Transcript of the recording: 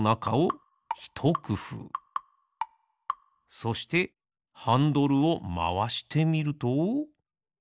そしてハンドルをまわしてみると。